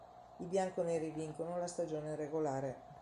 I bianconeri vincono la stagione regolare.